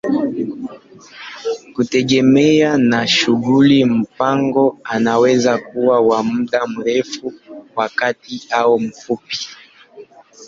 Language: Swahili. Kutegemea na shughuli, mpango unaweza kuwa wa muda mrefu, wa kati au mfupi.